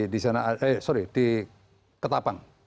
di sana eh sorry di ketapang